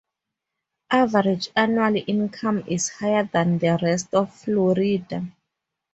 Average annual income is higher than the rest of Florida.